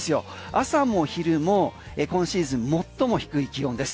朝も昼も今シーズン最も低い気温です。